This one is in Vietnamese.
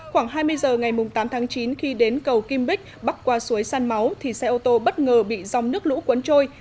khoảng hai mươi h ngày tám tháng chín khi đến cầu kim bích bắc qua suối săn máu thì xe ô tô bất ngờ bị dòng nước lũ cuốn trôi